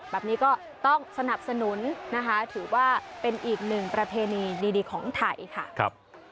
แบบนี้ก็ต้องสนับสนุนนะคะถือว่าเป็นอีกหนึ่งประเพณีดีของไทยค่ะ